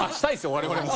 我々も。